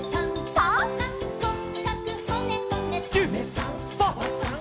「サメさんサバさん